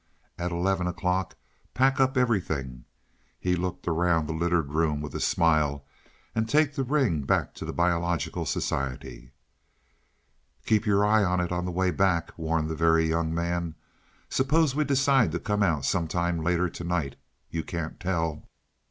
At eleven o'clock pack up everything" he looked around the littered room with a smile "and take the ring back to the Biological Society." "Keep your eye on it on the way back," warned the Very Young Man. "Suppose we decide to come out some time later to night you can't tell."